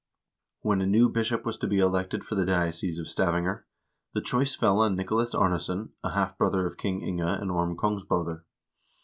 1 When a new bishop was to be elected for the diocese of Stavanger, the choice fell on Nicolas Arnesson, a half brother of King Inge and Orm Kongsbroder.